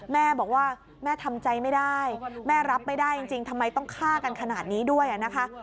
แม่บอกว่าแม่ทำใจไม่ได้แม่รับไม่ได้จริงทำไมต้องฆ่ากันขนาดนี้ด้วยนะคะ